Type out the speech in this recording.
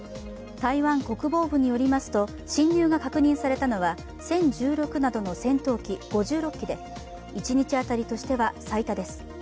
台湾国防部によりますと進入が確認されたのは殲１６などの戦闘機５６機で一日当たりとしては最多です。